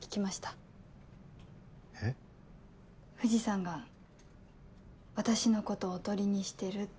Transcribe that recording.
藤さんが私のことおとりにしてるって。